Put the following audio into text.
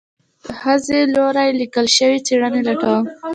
د خځې لوري ليکل شوي څېړنې لټوم